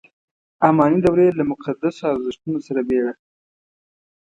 اماني دورې له مقدسو ارزښتونو سره بېړه.